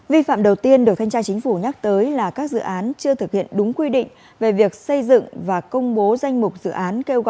vi phạm đầu tiên được thanh tra chính phủ nhắc tới là các dự án chưa thực hiện đúng quy định về việc xây dựng và công bố danh mục dự án